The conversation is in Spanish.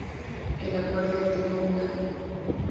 El acuerdo duró un año.